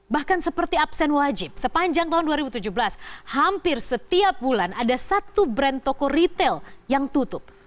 bahkan seperti absen wajib sepanjang tahun dua ribu tujuh belas hampir setiap bulan ada satu brand toko retail yang tutup